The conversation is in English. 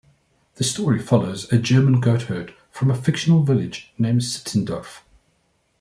The story follows a German goatherd from a fictional village named Sittendorf.